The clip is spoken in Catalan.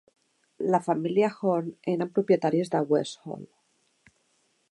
La família Horn eren propietaris de Westhall.